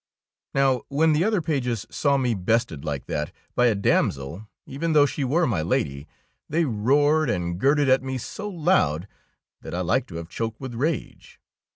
Now, when the other pages saw me bested like that by a damsel, even though she were my Lady, they roared and girded at me so loud that I liked to have choked with rage.